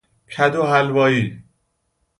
کدوحلوایی